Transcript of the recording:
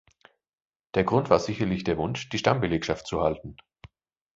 Der Grund war sicherlich der Wunsch, die Stammbelegschaft zu halten.